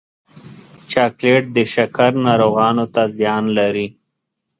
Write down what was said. چاکلېټ د شکر ناروغانو ته زیان لري.